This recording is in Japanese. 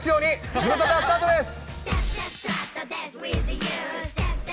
ズムサタ、スタートです。